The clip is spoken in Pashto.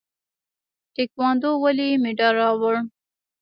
تکواندو ولې مډال راوړ؟